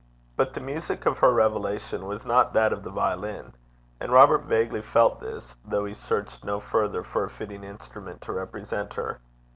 But the music of her revelation was not that of the violin; and Robert vaguely felt this, though he searched no further for a fitting instrument to represent her.